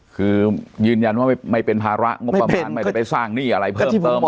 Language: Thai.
คือยืนยันว่าไม่เป็นภาระงบประมาณไม่ได้ไปสร้างหนี้อะไรเพิ่มเติม